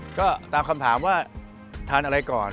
ก็ตามคำถามว่าทานอะไรก่อน